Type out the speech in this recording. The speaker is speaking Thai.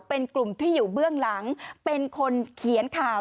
เป็นกลุ่มที่อยู่เบื้องหลังเป็นคนเขียนข่าว